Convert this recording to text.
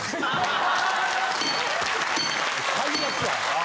最悪や！